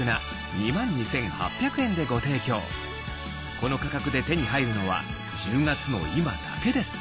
この価格で手に入るのは１０月の今だけです